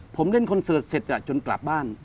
ผมเล่นคอนเสิร์ตเสร็จจนกลับบ้าน